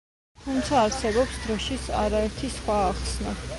თუმცა არსებობს დროშის არაერთი სხვა ახსნა.